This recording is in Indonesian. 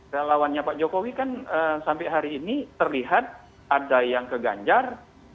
relawannya pak jokowi kan sampai hari ini terlihat ada yang ke ganjar